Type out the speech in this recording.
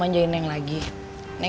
boy aku rencananya nih mau